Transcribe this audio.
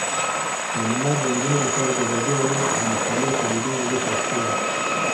تعلیمات د نجونو لپاره د ازادي راډیو د مقالو کلیدي موضوع پاتې شوی.